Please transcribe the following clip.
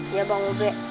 ya bang ube